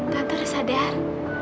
tante sudah sadar